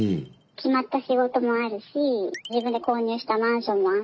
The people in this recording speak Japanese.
決まった仕事もあるし自分で購入したマンションもあって。